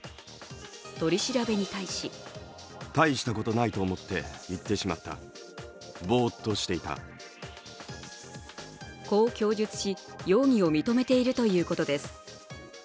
取り調べに対しこう供述し、容疑を認めているということです。